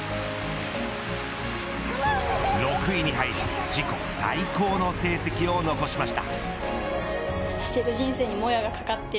６位に入り自己最高の成績を残しました。